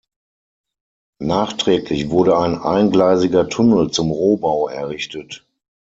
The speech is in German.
Nachträglich wurde ein eingleisiger Tunnel zum Rohbau errichtet.